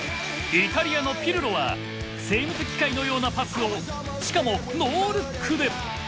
イタリアのピルロは精密機械のようなパスをしかもノールックで！